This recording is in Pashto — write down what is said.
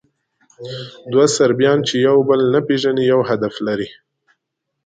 دوه صربیان، چې یو بل نه پېژني، یو هدف لري.